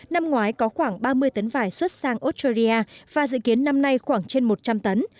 năm ngoái có khoảng ba mươi tấn vải xuất sang australia và dự kiến năm nay khoảng trên một trăm linh tấn